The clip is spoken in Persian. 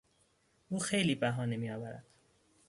او خیلی بهانه میآورد.